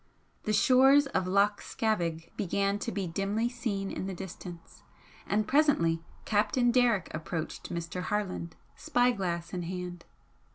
The shores of Loch Scavaig began to be dimly seen in the distance, and presently Captain Derrick approached Mr. Harland, spy glass in hand.